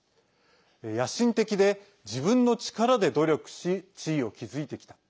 野心的で自分の力で努力し地位を築いてきた。